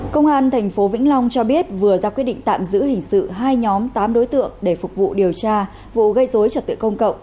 công an tp vĩnh long cho biết vừa ra quyết định tạm giữ hình sự hai nhóm tám đối tượng để phục vụ điều tra vụ gây dối trật tự công cộng